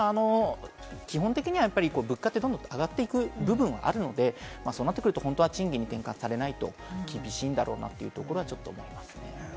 基本的には物価ってどんどん上がっていく部分はあるので、そうなってくると賃金に転換されないと厳しいんだろうなというところはちょっと思いますね。